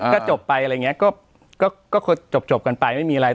ก็จบไปอะไรอย่างนี้ก็จบกันไปไม่มีอะไร